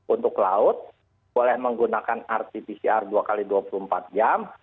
untuk laut boleh menggunakan rt pcr dua x dua puluh empat jam